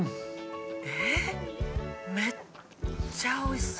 えっめっちゃ美味しそう。